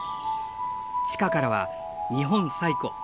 地下からは日本最古